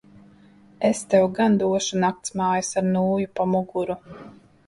Es tev gan došu naktsmājas ar nūju pa muguru.